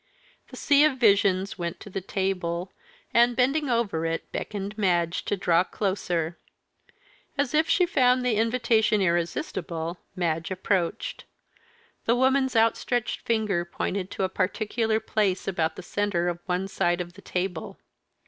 The sea of visions went to the table, and, bending over it, beckoned to Madge to draw closer. As if she found the invitation irresistible, Madge approached. The woman's outstretched finger pointed to a particular place about the centre of one side of the table.